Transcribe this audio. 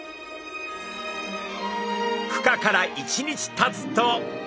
ふ化から１日たつと。